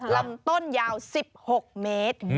ลำต้นยาว๑๖เมตร